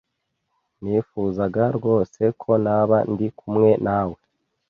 Nifuzaga rwose ko naba ndi kumwe nawe.